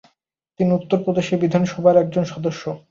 তিনি উত্তর প্রদেশ বিধানসভার একজন সদস্য।